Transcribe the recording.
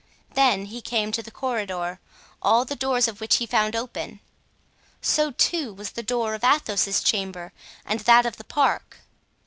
Then he came to the corridor, all the doors of which he found open; so, too, was the door of Athos's chamber and that of the park.